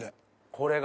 これが。